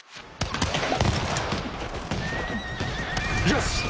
よし！